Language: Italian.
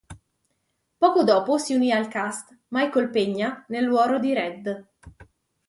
Poco dopo si unì al cast Michael Peña nel ruolo di Red.